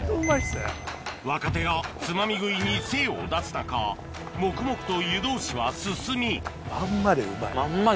若手がつまみ食いに精を出す中黙々と湯通しは進みまんまでうまい。